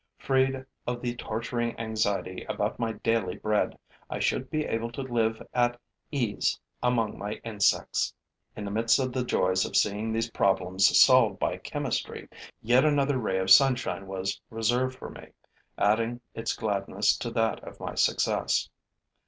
Freed of the torturing anxiety about my daily bread, I should be able to live at ease among my insects. In the midst of the joys of seeing these problems solved by chemistry, yet another ray of sunshine was reserved for me, adding its gladness to that of my success.